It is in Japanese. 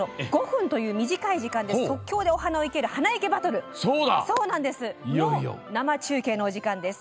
５分という短い時間で即興でお花を生ける花いけバトルの生中継のお時間です。